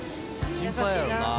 心配やろなぁ。